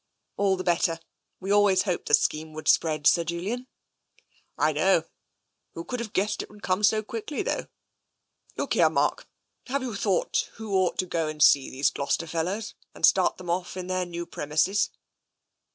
"All the better. We always hoped the scheme would spread, Sir Julian." " I know. Who could have guessed it would come so quickly, though? Look here, Mark, have you thought who ought to go and see these Gloucester fel lows and start them off in their new premises